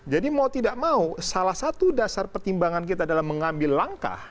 jadi mau tidak mau salah satu dasar pertimbangan kita dalam mengambil langkah